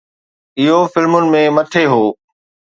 اهو فلمن ۾ مٿي هو.